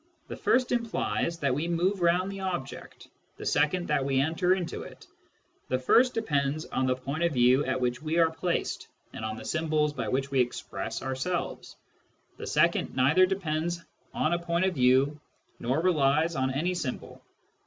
The first implies that we move round the object ; the second that we enter into it. The first depends on the point of view at which we are placed and on the symbols by which we express ourselves. The second neither depends on a point of view nor relies on any symbol.